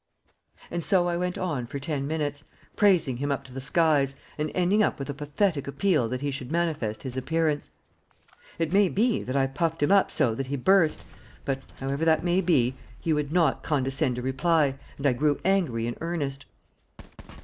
And so I went on for ten minutes, praising him up to the skies, and ending up with a pathetic appeal that he should manifest his presence. It may be that I puffed him up so that he burst, but, however that may be, he would not condescend to reply, and I grew angry in earnest.